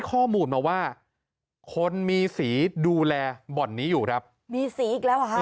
ข้อหมุนมาว่าคนมีสีดูแลบอนนี้อยู่ครับมีสีอีกแล้ว